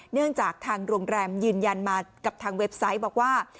เนื่องจากทางโรงแรมยืนยันมากับทางเว็บไซต์บอกว่า